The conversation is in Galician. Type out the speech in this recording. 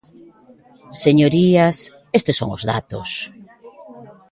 Señorías, estes son os datos.